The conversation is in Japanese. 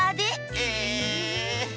え！